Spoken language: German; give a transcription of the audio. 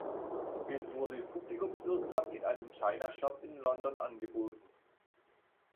Es wurde publikumswirksam in einem "China-Shop" in London angeboten.